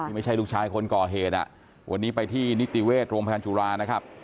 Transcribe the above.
ไม่ใช่ลูกชายคนก่อเหตุวันนี้ไปที่นิติเวชโรงพยาบาลจุฬานะครับ